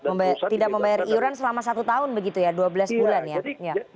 membayar tidak membayar iuran selama satu tahun begitu ya dua belas bulan ya